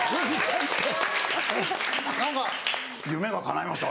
夢がかないました